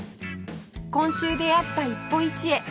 今週出会った一歩一会